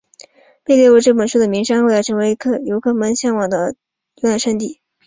被列入这本书中的名山后来成为游客们向往的游览胜地。